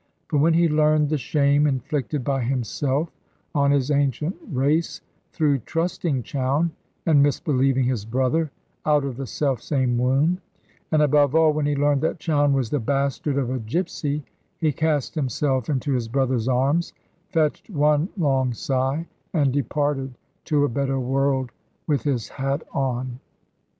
But when he learned the shame inflicted by himself on his ancient race, through trusting Chowne, and misbelieving his brother out of the self same womb; and, above all, when he learned that Chowne was the bastard of a gypsy, he cast himself into his brother's arms, fetched one long sigh, and departed to a better world with his hat on.